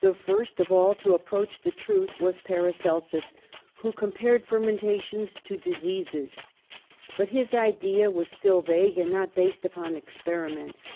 The first of all to approach the truth was Paracelsus, who compared fermentations to diseases, but his idea was still vague, and not based upon experiments.